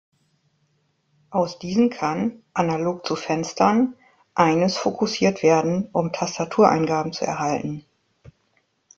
Aus diesen kann, analog zu Fenstern, eines fokussiert werden, um Tastatureingaben zu erhalten.